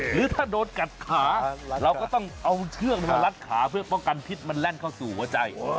หรือถ้าโดนกัดขาเราก็ต้องเอาเชือกมารัดขาเพื่อป้องกันพิษมันแล่นเข้าสู่หัวใจ